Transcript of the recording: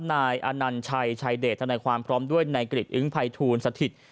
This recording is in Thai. นายอนัญชัยชายเดชธนายความพร้อมด้วยนายกริจอึ้งภัยทูลสถิต